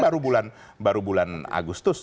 pendaftaran baru bulan agustus